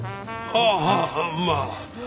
ああまあ。